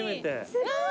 すごーい！